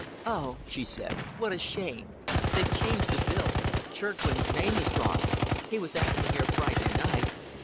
"Oh," she said, "what a shame! They've changed the bill. Chirgwin's name is gone. He was acting here Friday night."